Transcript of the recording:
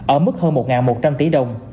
ở mức hơn một một trăm linh tỷ đồng